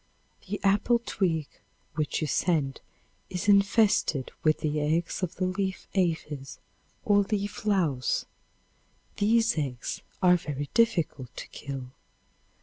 The apple twig which you send is infested with the eggs of the leaf aphis or leaf louse. These eggs are very difficult to kill.